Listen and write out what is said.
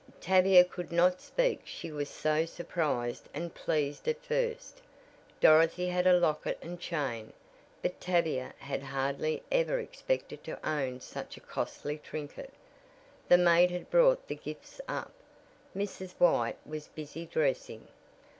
Tavia could not speak she was so surprised and pleased at first. Dorothy had a locket and chain, but Tavia had hardly ever expected to own such a costly trinket. The maid had brought the gifts up. Mrs. White was busy dressing.